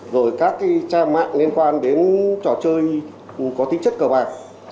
rồi các trang mạng liên quan đến trò chơi có tính chất cờ bạc